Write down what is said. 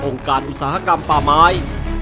การอุตสาหกรรมป่าไม้